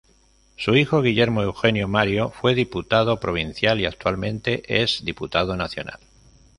Su hijo Guillermo Eugenio Mario fue diputado provincial y actualmente es diputado nacional.